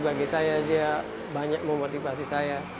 bagi saya dia banyak memotivasi saya